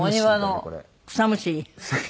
草むしり？